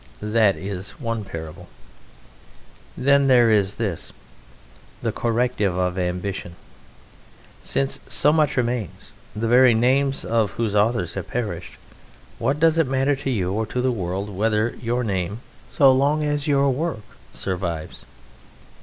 That is one parable. Then there is this: the corrective of ambition. Since so much remains, the very names of whose authors have perished, what does it matter to you or to the world whether your name, so long as your work, survives?